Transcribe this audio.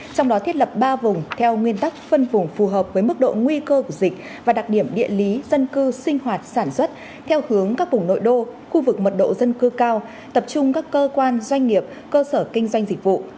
trong đó thiết lập ba vùng theo nguyên tắc phân vùng phù hợp với mức độ nguy cơ của dịch và đặc điểm địa lý dân cư sinh hoạt sản xuất theo hướng các vùng nội đô khu vực mật độ dân cư cao tập trung các cơ quan doanh nghiệp cơ sở kinh doanh dịch vụ